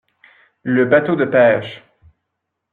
Le bateau de pêche.